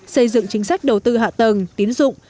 xây dựng chính sách đầu tư hạ tầng tiến dụng